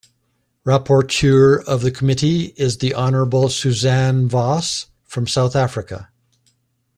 Rapporteur of the Committee is the Honorable Suzanne Vos from South Africa.